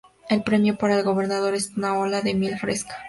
El premio para el ganador es una olla de miel fresca.